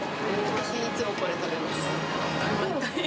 いつもこれ食べます。